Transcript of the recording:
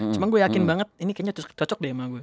cuma gue yakin banget ini kayaknya cocok deh sama gue